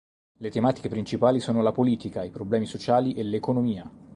Le tematiche principali sono la politica, i problemi sociali e l'economia.